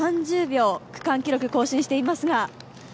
３０秒、区間記録更新していますが？